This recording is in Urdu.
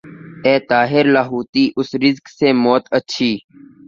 اے طائر لاہوتی اس رزق سے موت اچھی